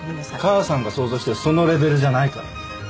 母さんが想像してるそのレベルじゃないからね。